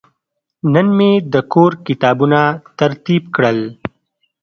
نن مې د کور کتابونه ترتیب کړل.